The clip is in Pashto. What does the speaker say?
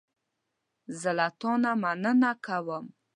زه له تا مننه کوم.